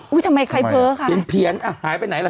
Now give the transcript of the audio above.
อุ้ยทำไมใครเพ้อค่ะเป็นเพี้ยนอ่ะหายไปไหนแล้ว